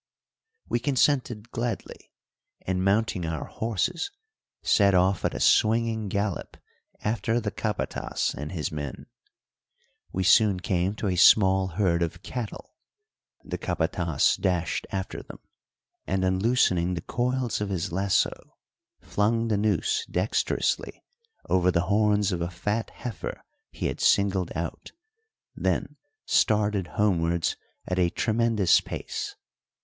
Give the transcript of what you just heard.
We consented gladly, and, mounting our horses, set off at a swinging gallop after the capatas and his men. We soon came to a small herd of cattle; the capatas dashed after them, and, unloosening the coils of his lasso, flung the noose dexterously over the horns of a fat heifer he had singled out, then started homewards at a tremendous pace.